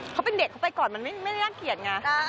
เขาเป็นเด็กเขาไปก่อนมันไม่ได้น่าเกลียดไง